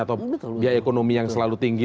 atau biaya ekonomi yang selalu tinggi